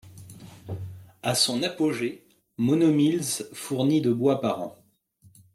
À son apogée, Mono Mills fournit de bois par an.